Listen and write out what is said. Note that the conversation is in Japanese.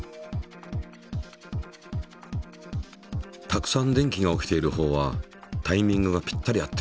たくさん電気が起きているほうはタイミングがぴったり合っている。